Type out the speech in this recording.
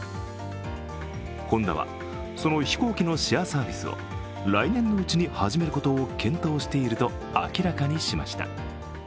ホンダはその飛行機のシェアサービスを来年のうちに始めることを検討していると明らかにしました。